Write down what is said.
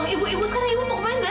ibu ibu sekarang ibu mau ke mana